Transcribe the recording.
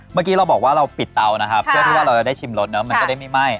เมื่อกี้เราบอกว่าเราปิดเตานะครับเพื่อที่ว่าเราจะได้ชิมรสเนอะมันจะได้ไม่ไหม้